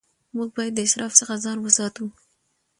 موږ باید د اسراف څخه ځان وساتو